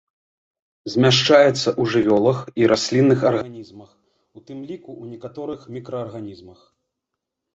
Змяшчаецца ў жывёлах і раслінных арганізмах, у тым ліку ў некаторых мікраарганізмах.